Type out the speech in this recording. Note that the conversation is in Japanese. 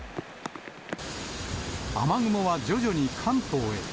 雨雲は徐々に関東へ。